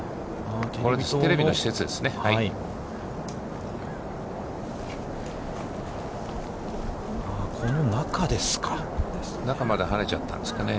テレビの施設ですね。